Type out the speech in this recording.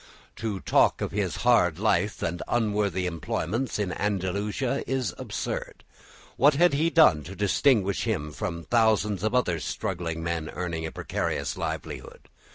To talk of his hard life and unworthy employments in Andalusia is absurd. What had he done to distinguish him from thousands of other struggling men earning a precarious livelihood?